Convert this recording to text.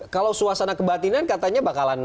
kalau suasana kebatinan katanya